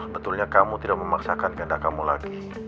betulnya kamu tidak memaksakan kehendak kamu lagi